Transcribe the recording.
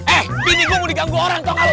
eh bini gue mau diganggu orang tau gak lo